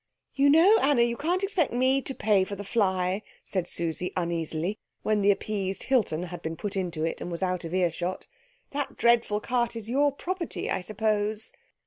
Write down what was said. "You know, Anna, you can't expect me to pay for the fly," said Susie uneasily, when the appeased Hilton had been put into it and was out of earshot. "That dreadful cart is your property, I suppose."